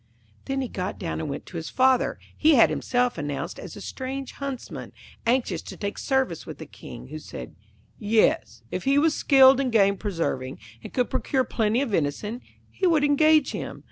Then he got down and went to his father. He had himself announced as a strange Huntsman, anxious to take service with the King, who said, 'Yes; if he was skilled in game preserving, and could procure plenty of venison, he would engage him.